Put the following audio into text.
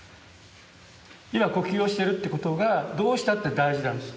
今呼吸をしてるってことがどうしたって大事なんです。